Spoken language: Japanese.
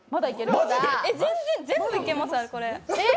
全然全部いけます、これ。